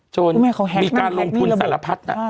โจรมีการลงทุนสารพัฒน์